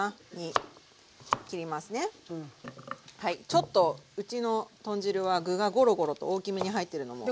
ちょっとうちの豚汁は具がゴロゴロと大きめに入ってるのも。